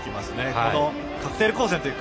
あのカクテル光線というか。